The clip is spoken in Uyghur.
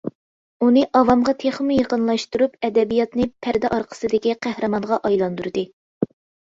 ئۇنى ئاۋامغا تېخىمۇ يېقىنلاشتۇرۇپ ئەدەبىياتنى پەردە ئارقىسىدىكى قەھرىمانغا ئايلاندۇردى.